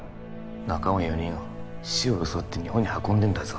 仲間４人を死を装って日本に運んでんだぞ